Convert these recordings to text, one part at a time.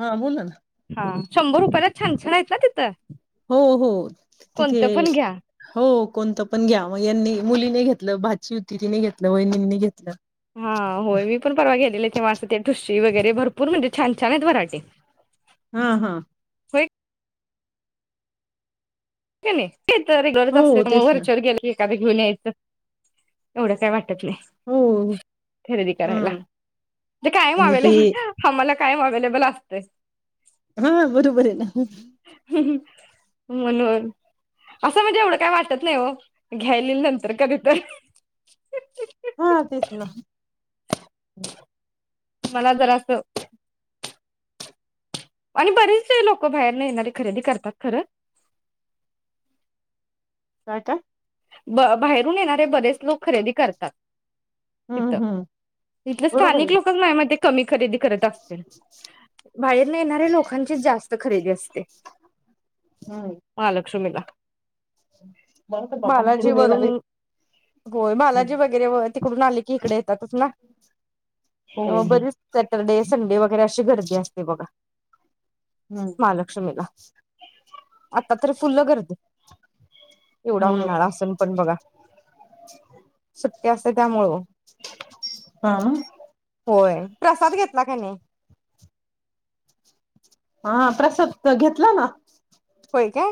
हा बोला ना. हा शंभर रुपयालाच छान छान हाईत ना तिथं? हो, हो तिथे कोणतं पण घ्या. हो कोणतं पण घ्या. मग यांनी मुलीने घेतलं, भाची होती तिने घेतलं, वहिनीनीने घेतलं. हा होय मी पण परवा गेलेले तेव्हा ते असं ठु वगैरे भरपूर म्हणजे छान छान आहेत व्हरायटी. हा, हा. व्हय कनई? [unintelligible] हो तेच ना वरच्यावर गेलं की. [unintelligible] घेऊन यायचं एवढं काय वाट वाटत नाही हो खरेदी हा करायला. ते कायम आणि ते अवेलेबल आम्हाला कायम अवेलेबल असतंय. हा, बरोबर आहे ना. म्हणून. असं म्हणजे एवढं काय वाटत नाही हो. घ्यायली नंतर कधीतर हा तेच ना [inaudible] मला जरास आणि बरेचसे लोक बाहेर न येणारे खरेदी करतात खरं [unintelligible] ब बाहेरून येणारे बरेच लोक खरेदी करतात. तिथ हम्म हम्म तिथल बरोबर आहे स्थानिक ना लोकच माया मते कमी खरेदी करत असतील बाहेरन येणाऱ्या लोकांचे जास्त त खरीेद्या अस ते हम्म महालक्ष्मीला [inaudible] बालाजी बाहेरून येणार वरून आहेत होय हो बालाजी वगैरे तिकडून आले की इकडे येतातच ना त्यामुळं हो बरीच सॅटरडे संडे वगैरे अशी गर्दी असते बघा हम्म महालक्ष्मीला आता तर फुल्ल गर्दी हम्म उन्हाळा असून पण बघा सुट्टी असते, त्यामुळ ओ हा मग होय प्रसाद घेतला का नही. हा आ प्रसाद घेतला ना होय काय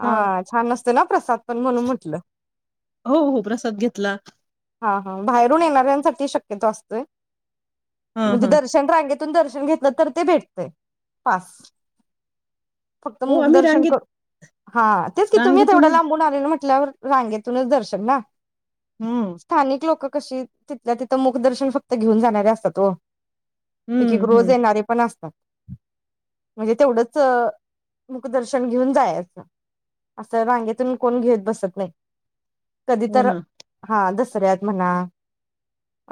हा छान अस तना प्रसाद पण म्हणून म्हटलं हो हो प्रसाद घेतला. हा हा बाहेरून येणाऱ्यांसाठी शक्यतो असतोय. हा म्हणजे हा दर्शन रांगेत आतून दर्शन घेतलं तर ते भेटतय पास फक्त हो आम्ही मुखदर्शन रांगेत कर हा तेच की तुम्ही तेवढ्या रांगेतूनच लांबून आलेलं हा तल्यावर रांगेतूनच दर्शन ना हम्म स्थानिक लोक कशी तिथल्या तिथं मुखदर्शन फक्त घेऊन जाणारी असत्यात ओ एक हम्म एक रोज हम्म येणारे पण असतात. म्हणजे तेवढंच मुखदर्शन घेऊन जायचं, असं रांगेतून कोण घेत बसत नाही. कधी हो तर ना हा दस ऱ्यात म्हणा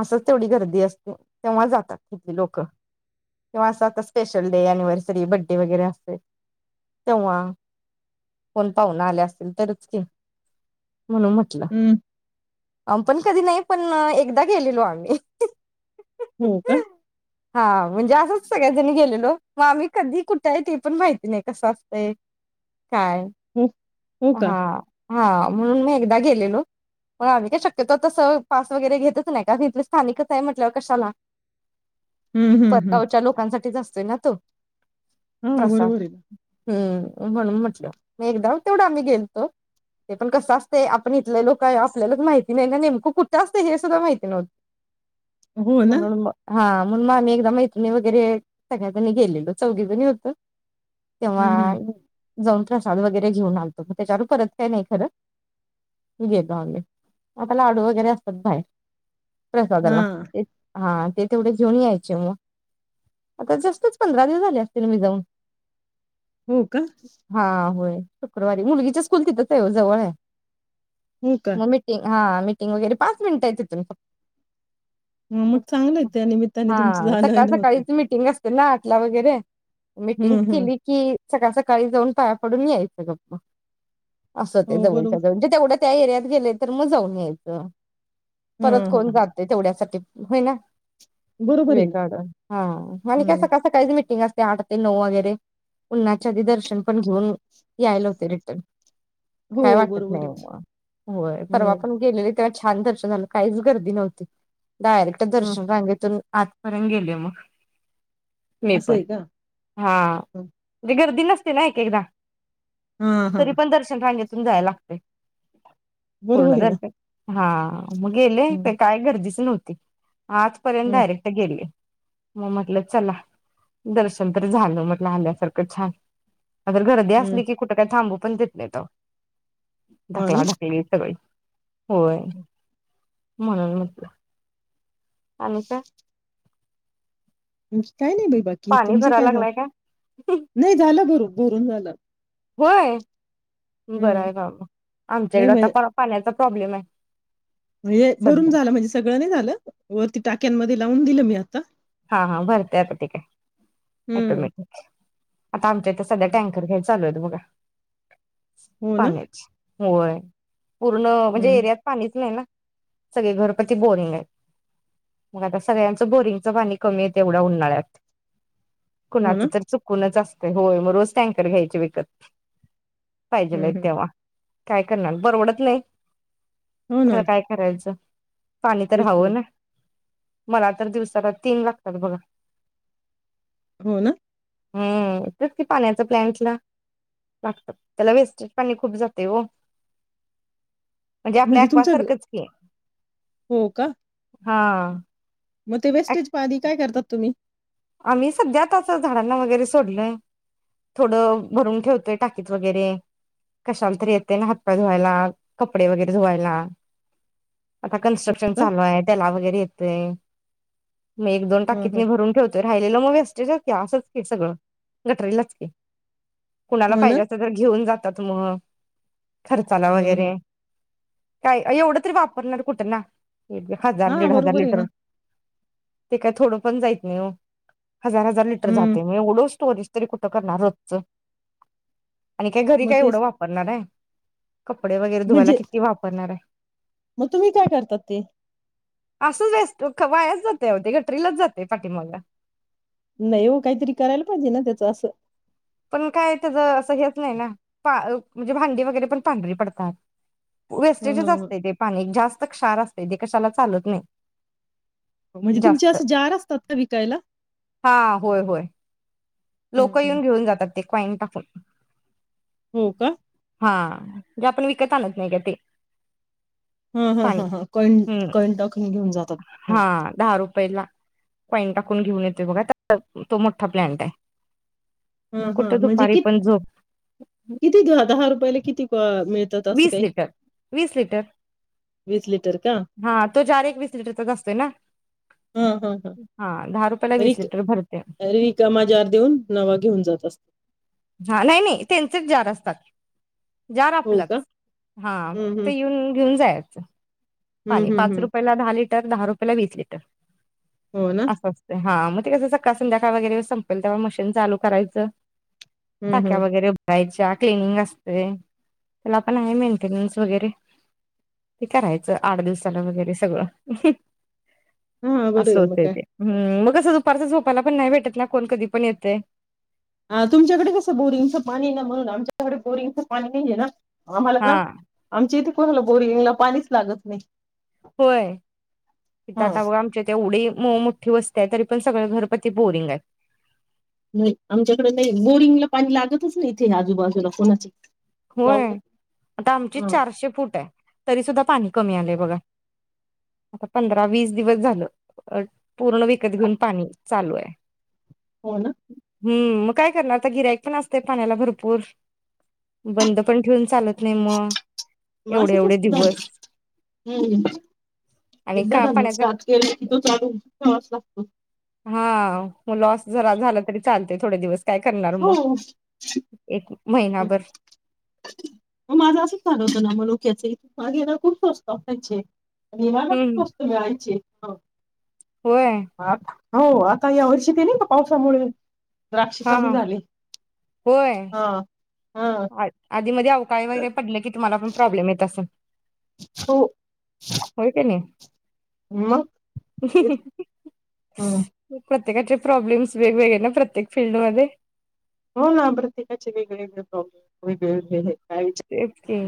असच तेवढी गर्दी असते, ओ तेव्हा जातात इथली लोक तेव्हा असतात स्पेशल डे अनिव्हर्सरी, बडे वगैरे असेल तेव्हा कोण पाहून आल्या असेतील तरच की म्हणून म्हटलं हं, अम पण कधी नाही पण एकदा गेलेलो आम्ही हो का हा म्हणजे असंच सगळ्याजणी गेलेलो मग आम्ही कधी कुठे आहे ते पण माहिती नाही कसं असतंय काय हो, हो का? हा हा म्हणून म एकदा गेलेलो पण आम्ही काय शक्य ते तस पास वगैरे घेतच नाही का तिथले स्थानिकच आहे म्हटल्यावर कशाला? हं, हं, परगावच्या लोकांसाठीच असत [unintelligible] ना तो हो प्रसाद बरोबर आहे ना. हम्म म्हणून म्हटलं. मी एकदा तेवढं आम्ही गेलतो ते पण कसं असतंय आपण इथले लोक आहे आपल्यालाच माहित [unintelligible] नेमकं कुठं असतं हे सुद्धा माहिती नव्हतं. हो ना? म्हणून मग हा म्हणू मग आम्ही एकदा मैत्रिणी वगैरे सगळ्याजणी गेलेलो, चौघी जणी होतो. तेव्हा हं, हं. जाऊन प्रसाद वगैरे घेऊन आलतो, मग त्याच्यावर परत काय नाही खरं गेलो आम्ही. आता लाडू वगैरे असतात बाहेर. प्रसादाला. हां. ते हा ते तेवढे घेऊन यायचे मग. आता जस्टच पंधरा दिवस झाले असतील मी जाऊन. हो का? हा, होय. शुक्रवारी मुलगीचं स्कूल तिथंच आहे ओ जवळ आहे. हो, का? मग मिटिंग हा मीटिंग वगैरे पाच मिनिटं आहे तीथून फक ह मग चांगलंय त्या निमित्ताने तुमचं जाणं येणं होतंय. तेला आठला वगैरे मीटिंग हं. केली की सकाळी सकाळी जाऊन पाया पडून यायचं फक्त. असं ते हो, जवळच्या बरोबर. जवळ तेवढ्यात त्या एरियात गेलेत तर मग जाऊन यायचं. परत हां, हां, कोण हां. जातंय तेवढ्यासाठी. होय ना. बरोबर आहे वेळ ना. काढून हा आणि काय हं. सका सकाळीच मिटिंग अस ते आठ ते नऊ वगैरे उन्हाच्या आधी दर्शन पण घेऊन यायला होते रिटर्न. काय हो, वाटत बरोबर नाही आहे. मग होय. परवा हं, पण गेलेलेत. तेव्हा छान दर्शन झालं काहीच गर्दी नव्हती. डायरेक्ट हां. दर्शन रांगेतून आतपर्यंत गेले मग. मी असं पण आहे का? हा हं. म्हणजे गर्दी न तिला एक एकदा हां, तरी हां. पण दर्शन रांगेत तून जायला लागतंय पूर्ण बरोबर आहे ना. घरटे हा मग गेले ते हं, काय गर्दीच नव्हतं ते आजपर्यंत हं, डायरेक्ट गेले मग म्हटलं चला दर्शन तर झालं म्हटलं आल्यासारखं छान. अगर गर्दी असली हं. की कुठं काय थांबू पण देत नाय तो हां ना? ढकला, ढकली होय होय म्हणून म्हटलं आणि काय? हु काय नाय बाई बाकी पाणी तुमचं भरायला काय झालं लागलाय नाय झालं भरून भरून झालं. व्हय हं. बरंय बाबा नाही आमच्याकड परवा आता पाण्याचा प्रॉब्लेमय व्हय भरून झालं म्हणजे सगळं नाय झालं वरती टाक्यांमध्ये लावून दिलं मी आत हा, हा भरते आता ते काय हम्म ऑटोमॅटिक आता आमच्या इथ सध्या टँकर घेयच चालूत बघा हो ना पाण्याची होय पूर्ण म्हणजे हम्म एरियात पाणीच नाय ना सगळे घरपची बोरिंगऐत मग आता सगळ्यांचं बोरिंगच पाणी कमी येत एवढ्या उन्हाळ्यात हो कुणाच ना तर चुकूनच असत होय मग रोज टँकर घ्यायचे विकत हम्म पाहिजेलयत हम्म तेव्हा काय करणार परवडत नाही. हो खरं ना काय करायचं पाणी तर हवं ना मला तर दिवसाला तीन लाग त्यात बघा हो ना हम् तेच कि पाण्याचा प्लंटला लागतात त्याला वेस्टेज पाणी खूप जातय हो आपल्या म्हणजे ॲक्वा तुमचं सारखंच की हो का हा म ते वेस्टेज पाणी काय करतात तुम्ही? आम्ही सध्या तस झाडांना वगैरे सोडलय, थोडं भरून ठेवतोय टाकीत वगैरे कशांला तरी येतयना हातपाय धुवायला, कपडे वगैरे धुवायला आता कनस्ट्रक्शन का चालू आहे त्याला घरी येतय. मी एक-दोन ह ह टाकीतने भरून ठेव राहिलेला मगं वेस्टेज हाय क्या असंच की सगळं गटरीलाच की. कुणाला हो ना पाहिजे असल तर घेऊन जा त्यात मुळ खर्चाला ह ह वगैरे काय अ एवढं तरी वापरणार कुठं ना [unintelligible] हजार हा दिड हजार बरोबर आहे ना लिटर ते काय थोडं पण जाईत नी हो. हजार-हजार लिटर हम्म जाते म एवढा स्टोरेज तरी कुठं करणार रोच्च आणि काय घरी मग काय एवढं तेच वापरणार आहे कपडे वगैरे धुवायला म्हणजे किती वापरणार आहे मग तुम्ही काय करतात ते असंच असतं क वाया जाते होती गटरीलाच जाते पाठीमागला. नाई वो काहीतरी करायला पाहिजे ना त्याचा असं. पण काय त्याचा असं घेत नाय ना पा उ म्हणजे भांडी वगैरे पण पांढरी पडतात. वेस्टेजच ह असत ते पाणी जास त क्षार असते ते कशाला चालत नाही. म्हणजे तुमचे जास्त असं जार असतात का विकायला? हं, लोकं हं. येऊन घेऊन जातात. ते कॉईन टाकुन हो का? जे आपण विकत आणत नाही का ते हं हं पाणी हं हम्म कॉईन-कॉईन टाकून घेऊन जातात. पहिला कॉईन टाकून घेऊन येते बघ आता [unintelligible] तो मोठा प्लॅंट आहे. मग हां हां कुठं म्हणजे दुपारी कित पण झोप किती दया दहा रुपयाले? किती प वीस लिटर- वीस लिटर लिटर का? हा तो जार एक वीस लिटरचाच असतोय ना, हां, हां, हां. हा दहा रुपयाला वीस रिक लिटर भरते. रिकामा जार देऊन नवा घेऊन जात अस हा नाई -नाई त्यांचेच जार असतात. जाार हो का? आपलंच हां हं, फक्त हं. येऊन घेऊन जायाचं. हं, पाणी हं, पाच हं. रुपयाला दहा ली तर दहा रुपयाला वीस लिटर. हो ना? अस असते हा मग. ते कसं सकाळ संध्याकाळ वगैरे संपेल तवा मशीन चालू करायचं. हं, टाक्या हं. वगैरे भ-रायची त्याला क्लिनिंग असतय, त्याला पण आहे मेंटेनन्स वगैरे ते कराय च आठ दिवसाला वगैरे सगळं हां, बरं आस आहे मग होतय काय. ते हम्म मगच तस दुपारच झोपायला पण नाही भेटत ना कोण कधी पण येतेय. आं तुमच्याकडे कसं बोरिंगच पाणीये ना म्हणून आमच्या कडे बोरिंगच पाणी नाहीये ना हा आम्हालाना आमचा इथे कोणाला बोरिंगला पाणीच लागत नाही. होय हित हां. आता व आमच्या इथ ऐवढी मो -मोठ्ठी वस्ती हाय तरी पण सगळ घरपती बोरिंग हाय नाई आमच्याकडे नाही बोरीगंला पाणी लागतच नाइ इथे आजूबाजूला कोणाचा होय आता आमचे चारशे फूट आहे तरी सुद्धा पाणी कमी आलय. बघा आता पंधरा वीस दिवस झालं अ पूर्ण विकत घेऊन पाणी चालू आहे. हो नां हम्म मग काय करणारा आता गिऱ्हाईक पण असतय पाण्याला भरपूर बंद पण ठेवून चालत नाई मगं म असच असतो धान्य हुं आणि एकदा का धान्य पाण्याचा स्टार्ट केलं की तो चालू करावाचं लाग [inaudible] हां व लॉस जरा झाला तरी चालतय थोड दिवस काय करणार हो मग एक हो महिनाभर म माझं असंच झाल होत ना मनुक्याचे मागे ना खूप सोसताव त्यांचे विमानात हम्म स्वस्त मिळायचे. हा. होय [inaudible] हो आता या वर्षी ते नाही का पावसामुळे द्राक्ष हा चालू हा झाली. हा. हा आय आधी मधी अवकाळी वगैरे पडल की तुम्हाला पण प्रॉब्लेम येत असलं? हो. मग [inaudible] तेच हम्म प्रत्येकांचे प्रॉब्लेम्स् वेगवेगळे ना, प्रत्येक फील्डमध्ये? हो ना प्रत्येकाचे वेगळेवेगळे प्रॉब्लेम. वेगळे वेगळे हे काय विचार तेच की.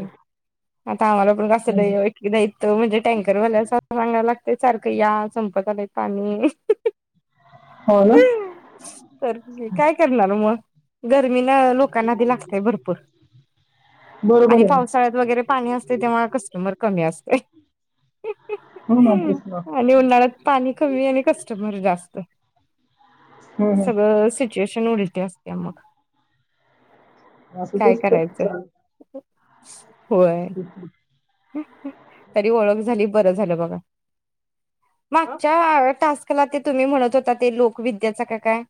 इथं आम्हाला पण जास्त ओळखी नाहीत इथं म्हणजे टँकर वाल्याला सांगयला लाग ते सारखं या संपत आलय पाणी हो ना तर काय करणार मग. गर्मीनं लोकांना आधी लागतय भरपूर. आणि बरोबर आहे पावसाळ्यात वगैरे पाणी असतंय त्यामुळं कस्टमर कमी असतंय. हो ना तेच ना [inaudible] आणि उन्हाळ्यात पाणी कमी आणि कस्टमर जास्त. हम्म हम्म सगळं सिच्युएशन उलटी असती. त्यामुळं असंच असतं चाल [inaudible] होय. तरी ओळख झाली बरं झालं बघा. हा? मागच्या टास्क ला ते तुम्ही म्हणत होता ते लोकविद्याच का काय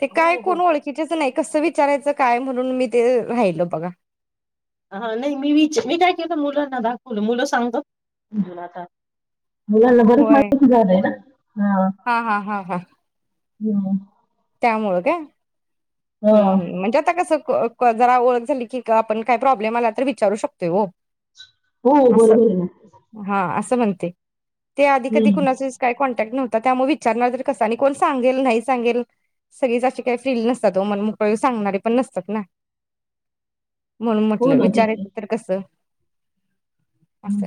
ते हो काय हो कोण ओळखीचेच नाहीत. कस विचारायचं काय म्हणून मी ते राहिल बघा. हा नाही मी विच मी काय केलं मुलांना दाखवलं मुलं सांगतात. [inaudible] मुलांना बरच होय माहिती झालंय ना हा. हो. हा हा हा हा हम्म. त्यामुळं काय? हा हम्म हम्म हो म्हणजे आता कसं क जरा ओळख झाली की आपण काय प्रॉब्लेम आला तर विचारू शकतोय हो हो बरोबर आहे असं म्हणते ते आधी-कधी हम्म कुणाचीच काही कॉन्टॅक्ट नव्ह त्यामुळे विचारणार कसं कोण सांगेल नाही सांगेल सगळीच अशी काही फील नसता असा तो मनमोकळी सांगणारी पण नसतात ना म्हणून हो म्हटलं ना तेच ना विचारायचं तर कसं? हम्म. असं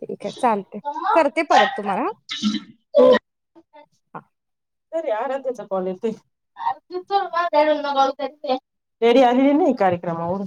ठीक आहे चालते करते परत तुम्हाला हा हा त्याच्या पॉलिटिक रेडी आहे नाय कार्यक्रमावरून